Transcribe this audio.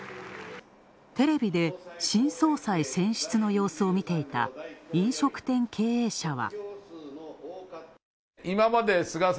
テレビで新総裁選出の様子を見ていた飲食店経営者は。